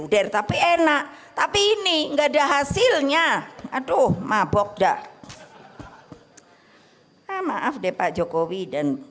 tapi enak tapi ini enggak ada hasilnya aduh mabok dah maaf deh pak jokowi dan